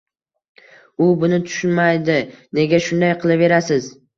U buni tushunmaydi, nega shunday qilaverasiz